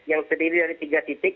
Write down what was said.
yang terdiri dari tiga titik